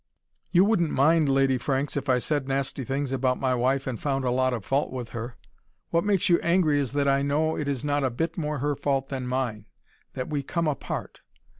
"You wouldn't mind, Lady Franks, if I said nasty things about my wife and found a lot of fault with her. What makes you angry is that I know it is not a bit more her fault than mine, that we come apart.